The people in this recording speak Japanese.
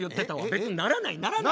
別にならないならない。